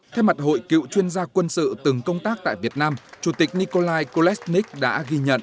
theo mặt hội cựu chuyên gia quân sự từng công tác tại việt nam chủ tịch nikolai kolesnik đã ghi nhận